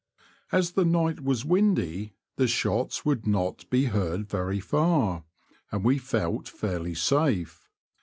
As the night was windy the shots would not be heard very far, and we felt fairly safe.